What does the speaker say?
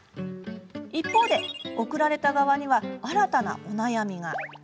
一方で、送られた側には新たなお悩みが。